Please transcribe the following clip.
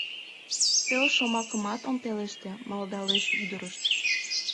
— Пел шомакымат ом пелеште, — малдалеш ӱдырышт.